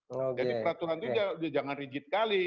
oke oke jadi peraturan itu jangan rigid kali